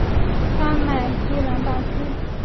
灵斯泰兹是丹麦西兰大区的一座城市。